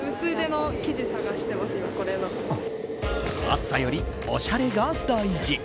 暑さよりおしゃれが大事。